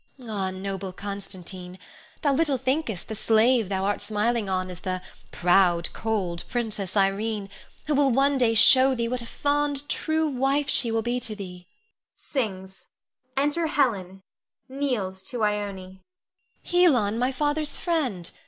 Ah, noble Constantine, thou little thinkest the slave thou art smiling on is the "proud, cold" Princess Irene, who will one day show thee what a fond, true wife she will be to thee. [Enter Helon; kneels to Ione. Ione. Helon, my father's friend!